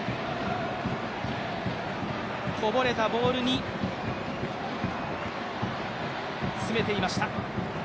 こぼれたボールに詰めていました。